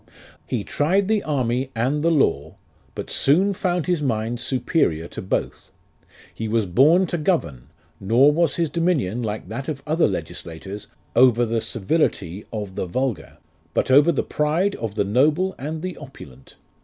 He tried the army and the law ; But soon found his mind superior to both He was horn to govern, Nor was his dominion, like that of other legislators, Over the servility of the vulgar, But over the pride of the nohle and the opulent.